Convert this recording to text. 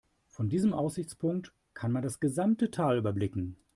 Von diesem Aussichtspunkt kann man das gesamte Tal überblicken.